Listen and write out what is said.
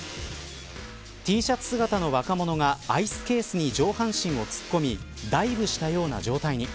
Ｔシャツ姿の若者がアイスケースに上半身を突っ込みダイブしたような状態に。